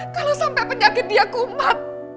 kalau sampai penyakit dia kumat